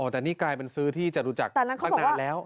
แต่นี่กลายเป็นซื้อที่จตุจักรตั้งนานแล้ว